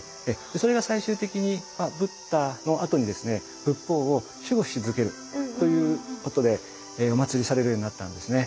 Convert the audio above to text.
それが最終的にブッダのあとにですね仏法を守護し続けるということでおまつりされるようになったんですね。